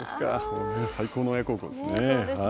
最高の親孝行ですね。